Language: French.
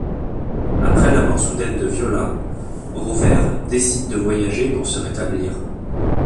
Après la mort soudaine de Viola, Rovère décide de voyager pour se rétablir.